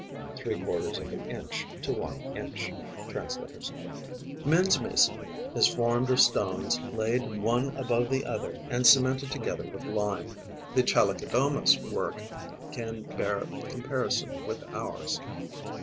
(Three quarters of an inch to one inch. Translator's Note.) Man's masonry is formed of stones laid one above the other and cemented together with lime. The Chalicodoma's work can bear comparison with ours.